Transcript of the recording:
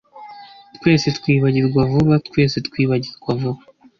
twese twibagirwa vuba, twese twibagirwa vuba